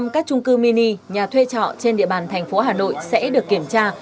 một trăm linh các trung cư mini nhà thuê trọ trên địa bàn thành phố hà nội sẽ được kiểm tra